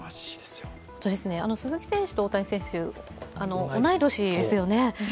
鈴木選手と大谷選手、同い年ですよね。